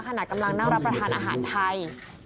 ขณะกำลังนั่งรับประทานอาหารไทย